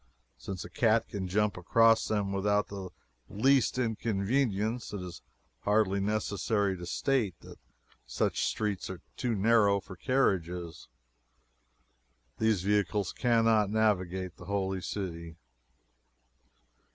Since a cat can jump across them without the least inconvenience, it is hardly necessary to state that such streets are too narrow for carriages. These vehicles cannot navigate the Holy City.